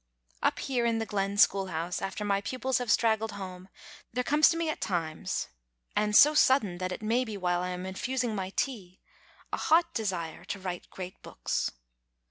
Up here in the glen school honse after my pupils have straggled home, there comes to me at times, and so sud den that it may be while I am infusing my tea, a hot de sire to write great books.